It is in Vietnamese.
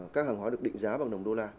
các hàng hóa được định giá bằng đồng đô la